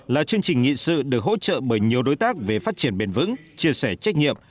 là chương trình nghị sự được hỗ trợ bởi nhiều đối tác về phát triển bền vững chia sẻ trách nhiệm